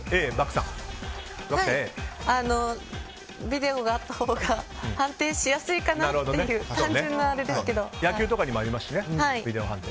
ビデオがあったほうが判定しやすいかなっていう野球とかにもありますしね。